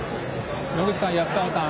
野口さん、安川さん